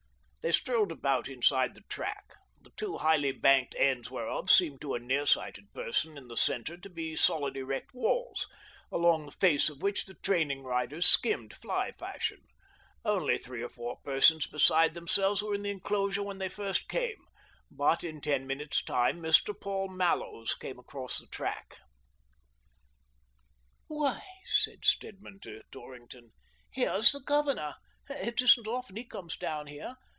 They strolled about inside the track, the two highly " banked " ends whereof seemed to a near ''AVALANCHE BICYCLE AND TYRE CO., LTD." 165 sighted person in the centre to be soHd erect walls, along the face of which the training riders skimmed, fly fashion. Only three or four persons beside themselves were in the enclosure when they first came, but in ten minutes' time Mr. Paul Mallows came across the track. "Why," said Stedman to Dorrington, "here's the Governor ! It isn't often he comes down here.